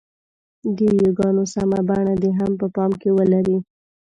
د ی ګانو سمه بڼه دې هم په پام کې ولري.